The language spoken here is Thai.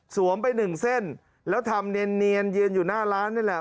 ไปหนึ่งเส้นแล้วทำเนียนยืนอยู่หน้าร้านนี่แหละ